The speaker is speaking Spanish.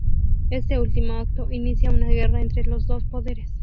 Este último acto inicia una guerra entre los dos poderes.